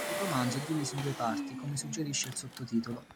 Il romanzo è diviso in due parti, come suggerisce il sottotitolo.